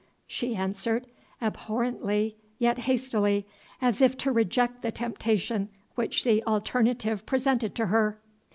she answered, abhorrently yet hastily, as if to reject the temptation which the alternative presented to her.